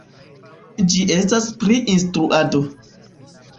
Ĝi estas pri instruado.